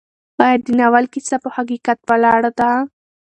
ایا د ناول کیسه په حقیقت ولاړه ده؟